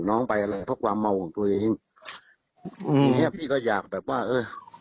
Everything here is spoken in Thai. น้องไปอะไรเพราะความเมาของตัวเองอืมทีเนี้ยพี่ก็อยากแบบว่าเออ